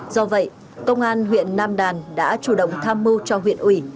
do vậy công an huyện nam đàn đã chủ động tham mưu cho huyện ủy